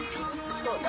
どうだ？